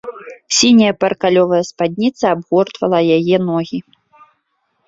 Сіняя паркалёвая спадніца абгортвала яе ногі.